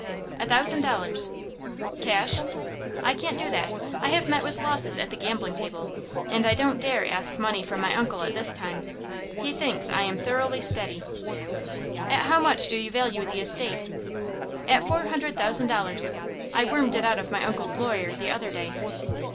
"A thousand dollars." "Cash?" "I can't do that. I have met with losses at the gaming table, and I don't dare ask money from my uncle at this time. He thinks I am thoroughly steady." "At how much do you value the estate?" "At four hundred thousand dollars. I wormed it out of my uncle's lawyer the other day."